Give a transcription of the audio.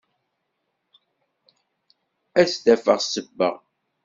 Ad s-d-afeɣ ssebba.